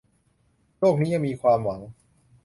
โลกนี้ยังมีความหวัง